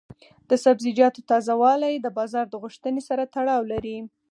د سبزیجاتو تازه والي د بازار د غوښتنې سره تړاو لري.